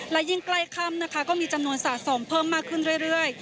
และยิ่งใกล้ค่ำนะคะก็มีจำนวนสะสมเพิ่มมากขึ้นเรื่อย